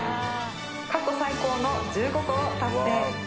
過去最高の１５個を達成